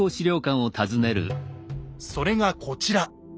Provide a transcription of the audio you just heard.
それがこちら。